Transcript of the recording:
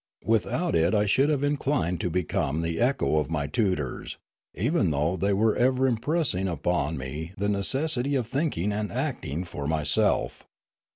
Without it I should have inclined to become the echo of my tutors, even though they were ever impressing upon me the neces sity of thinking and acting for myself.